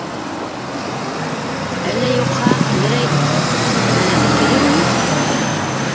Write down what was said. Әллә юҡһа, берәй... бәләнең килеүеме?